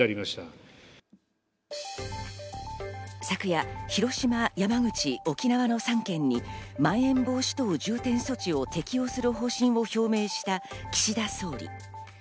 昨夜、広島・山口・沖縄の３県にまん延防止等重点措置を適用する方針を表明した岸田総理。